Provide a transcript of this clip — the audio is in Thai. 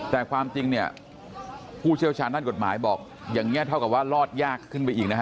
แต่ความจริงเนี่ยผู้เชี่ยวชาญด้านกฎหมายบอกอย่างนี้เท่ากับว่ารอดยากขึ้นไปอีกนะฮะ